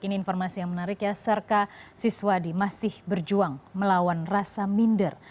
ini informasi yang menarik ya serka siswadi masih berjuang melawan rasa minder